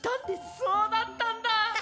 そうだったんだ！